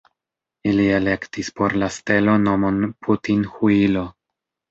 Ili elektis por la stelo nomon Putin-Huilo!.